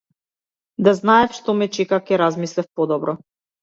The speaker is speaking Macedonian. Да знаев што ме чека ќе размислев подобро.